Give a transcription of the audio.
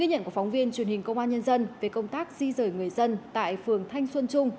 ghi nhận của phóng viên truyền hình công an nhân dân về công tác di rời người dân tại phường thanh xuân trung